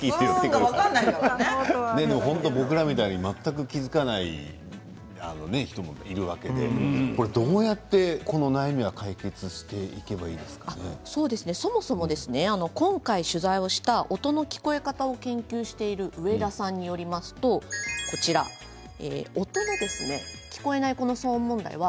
僕らみたいに全く気付かない人もいるわけでこれはどうやってこの悩みを解決していけばそもそも今回取材をした音の聞こえ方を研究している上田さんによると音の聞こえない騒音問題は